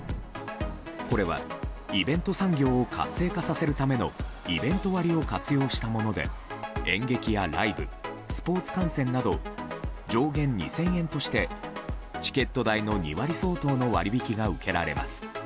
これはイベント産業を活性化させるためのイベント割を活用したもので演劇やライブ、スポーツ観戦など上限２０００円としてチケット代の２割相当の割り引きが受けられます。